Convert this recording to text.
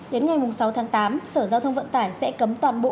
đến ngày sáu tháng tám sở giao thông vận tải sẽ cấm toàn bộ